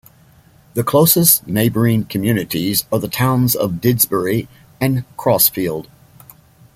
The closest neighbouring communities are the towns of Didsbury and Crossfield.